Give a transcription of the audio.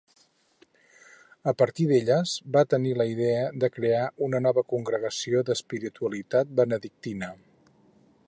A partir d'elles, va tenir la idea de crear una nova congregació d'espiritualitat benedictina.